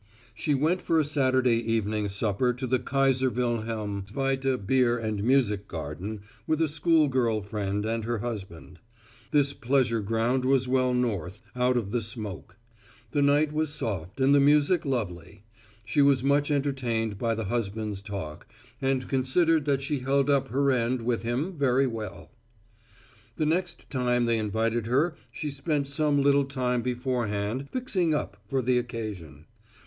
She went for a Saturday evening supper to the Kaiser Wilhelm Zweite Beer and Music Garden with a school girl friend and her husband. This pleasure ground was well north, out of the smoke. The night was soft and the music lovely. She was much entertained by the husband's talk, and considered that she held up her end with him very well. The next time they invited her she spent some little time before hand, "fixing up" for the occasion.